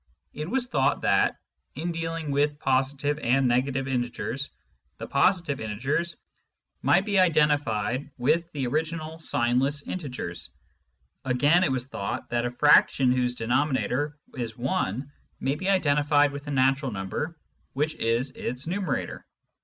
It was thought that, in dealing with positive and negative integers, the positive integers might be identified with the original signless integers. Again it was thought that a fraction whose denominator is I may be identified with the natural number which is its numerator.